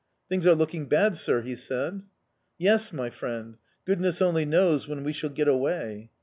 "Things are looking bad, sir!" he said. "Yes, my friend; goodness only knows when we shall get away!"